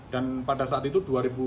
dan pada saat itu dua ribu dua puluh satu